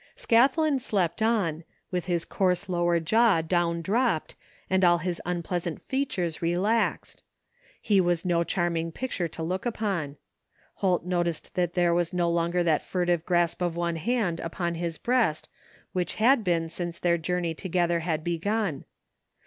Scathlin slept on, witfi his coarse lower jaw down dropped, and all his impleasant features relaxed. He was no charming picture to look upon. Holt noticed that there was no longer that furtive grasp of one hand upon his breast which had been since their journey together had begun.